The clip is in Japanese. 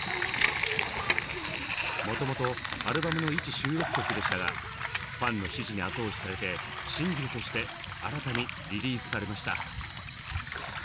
もともとアルバムのいち収録曲でしたがファンの支持に後押しされてシングルとして新たにリリースされました。